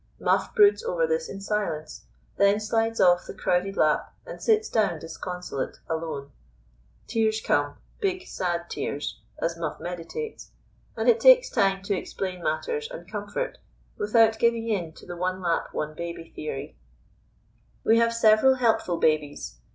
Muff broods over this in silence, then slides off the crowded lap and sits down disconsolate, alone. Tears come, big sad tears, as Muff meditates; and it takes time to explain matters and comfort, without giving in to the one lap one baby theory. [Illustration: TUBBING.] We have several helpful babies.